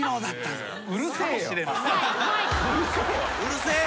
うるせえ。